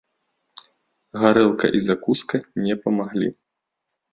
Гарэлка і закуска не памаглі.